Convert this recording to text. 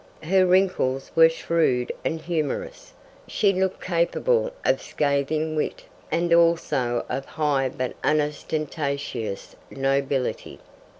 Her wrinkles were shrewd and humorous. She looked capable of scathing wit and also of high but unostentatious nobility.